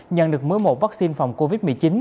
nhận được mứa một vaccine phòng covid một mươi chín